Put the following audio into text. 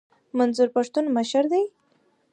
منظور د پښتنو مشر دي